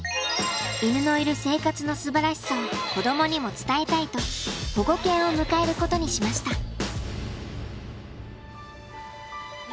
犬のいる生活のすばらしさを子供にも伝えたいと保護犬を迎えることにしました。